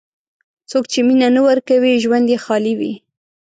څوک چې مینه نه ورکوي، ژوند یې خالي وي.